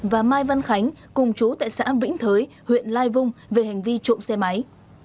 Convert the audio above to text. và mai văn khánh cùng chú tại xã vĩnh thới huyện lai vung về hành vi trộm xe máy